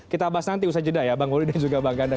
kita bahas nanti usaha jeda ya bang wuli dan juga bang kanda